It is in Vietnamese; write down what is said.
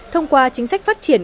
thông qua chính sách phát triển